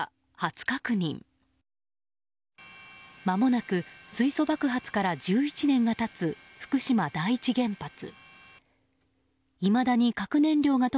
まもなく水素爆発から１１年が経つ福島第一原発。